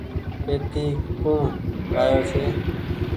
پيتي ڪوڻ لآيو ڇي ۔